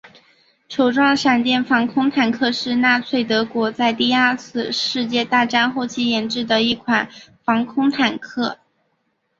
球状闪电防空坦克是纳粹德国在第二次世界大战后期研制的一款防空坦克。